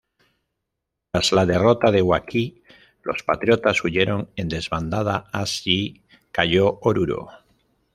Tras la derrota de Huaqui los patriotas huyeron en desbandada así cayo Oruro.